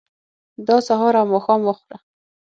دا سهار او ماښام وخوره.